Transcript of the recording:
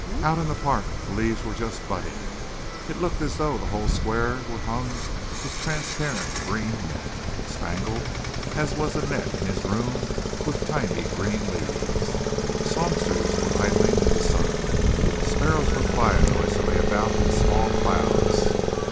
Out in the park the leaves were just budding. It looked as though the whole square were hung with a transparent green net, spangled, as was the net in his room, with tiny green leaves. Songsters were idling in the sun. Sparrows were flying noisily about in small clouds.